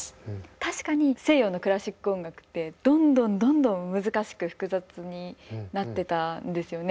確かに西洋のクラシック音楽ってどんどんどんどん難しく複雑になってたんですよね